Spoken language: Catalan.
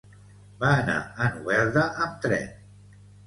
Va anar a Novelda amb tren.